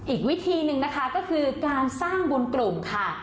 อีกวิธีหนึ่งนะคะก็คือการสร้างบุญกลุ่มค่ะ